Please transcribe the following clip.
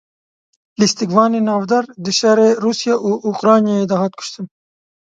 Lîstikvanê navdar di şerê Rûsya û Ukraynayê de hat kuştin.